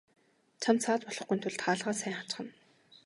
Чамд саад болохгүйн тулд хаалгаа сайн хаачихна.